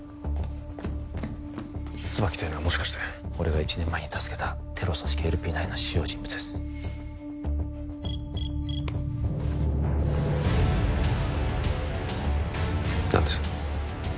椿というのはもしかして俺が一年前に助けたテロ組織ＬＰ９の主要人物です何です？